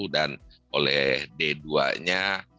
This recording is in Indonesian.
dan oleh d dua nya